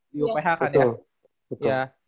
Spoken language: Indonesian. di upa kan ya betul